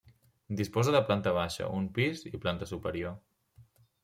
Disposa de planta baixa, un pis i planta superior.